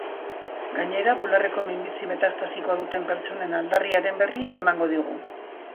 Gainera, bularreko minbizi metastasikoa duten pertsonen aldarriaren berri emango digu.